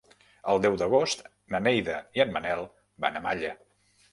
El deu d'agost na Neida i en Manel van a Malla.